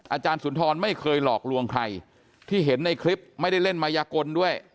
อาจารย์สุนทรไม่เคยหลอกลวงใครที่เห็นในคลิปไม่ได้เล่นมายกลด้วย